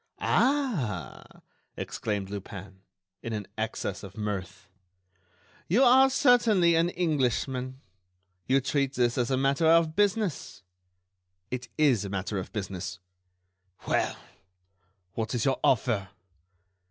"Ah!" exclaimed Lupin, in an access of mirth, "you are certainly an Englishman. You treat this as a matter of business." "It is a matter of business." "Well? what is your offer?"